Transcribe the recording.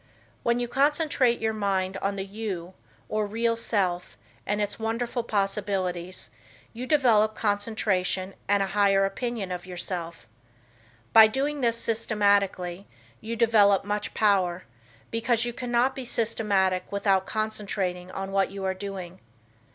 When you concentrate your mind on the "you" or real self, and its wonderful possibilities, you develop concentration and a higher opinion of yourself. By doing this systematically, you develop much power, because you cannot be systematic without concentrating on what you are doing.